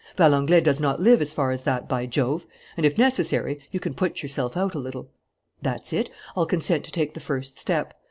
Valenglay does not live as far as that, by Jove! And, if necessary, you can put yourself out a little.... That's it: I'll consent to take the first step.